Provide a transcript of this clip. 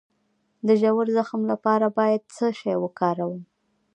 د ژور زخم لپاره باید څه شی وکاروم؟